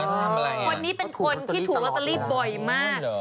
คนนี้เป็นคนที่ถูกลอตเตอรี่บ่อยมาก